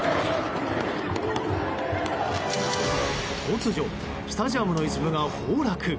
突如、スタジアムの一部が崩落。